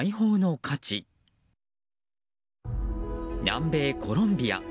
南米コロンビア。